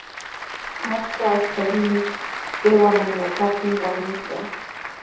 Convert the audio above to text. Achka ashkallami qiwa mana kaptin wañushqa.